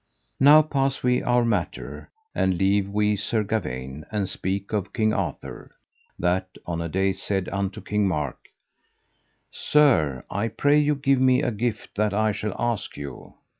Now pass we our matter, and leave we Sir Gawaine, and speak of King Arthur, that on a day said unto King Mark: Sir, I pray you give me a gift that I shall ask you.